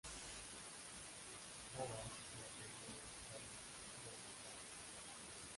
Havas es el apellido de Charles-Louis Havas.